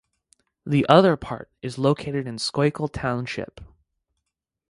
The other part is located in Schuylkill Township.